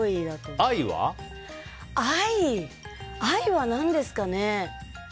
愛は何ですかね。